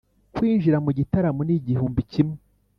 Kwinjira mugitaramo nigihumbi kimwe